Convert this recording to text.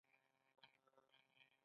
د حصه اول بهسود سړه ده